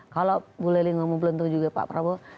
kalau bu lely ngomong belum tentu juga pak prabowo